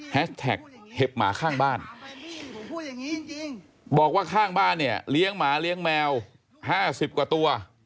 แท็กเห็บหมาข้างบ้านบอกว่าข้างบ้านเนี่ยเลี้ยงหมาเลี้ยงแมว๕๐กว่าตัว